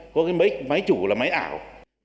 có cái máy chủ là máy ảo